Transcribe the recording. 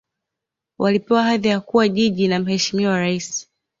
walipewa hadhi ya kuwa jiji na mheshimiwa rais